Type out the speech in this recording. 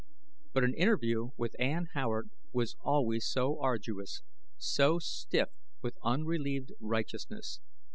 But an interview with Ann Howard was always so arduous, so stiff with unrelieved righteousness.